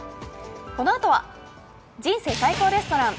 このあとは、「人生最高レストラン」。